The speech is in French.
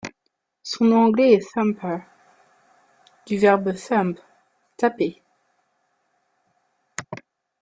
Son nom anglais est Thumper, du verbe thump, taper.